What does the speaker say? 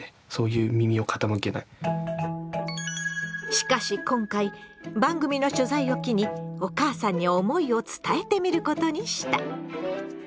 しかし今回番組の取材を機にお母さんに思いを伝えてみることにした。